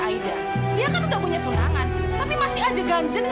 aida pernah bilang sama aku